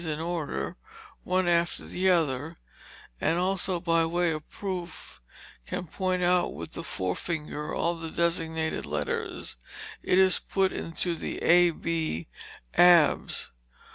's in order, one after the other, and also by way of proof, can point out with the forefinger all the designated letters, it is put into the A b, Abs.